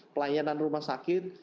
pelayanan rumah sakit